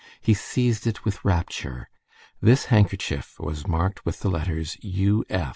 He seized it with rapture. This handkerchief was marked with the letters U.